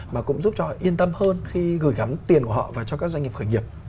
mà cũng giúp cho họ yên tâm hơn khi gửi gắm tiền của họ và cho các doanh nghiệp khởi nghiệp